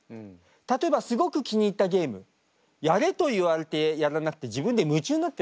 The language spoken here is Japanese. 例えばすごく気に入ったゲームやれと言われてやらなくて自分で夢中になってやるよね？